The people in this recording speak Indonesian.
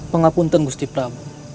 pengapunten gusti prabu